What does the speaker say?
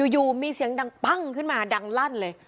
อยู่มีเสียงดังปั้งขึ้นมาดังลั่นเลย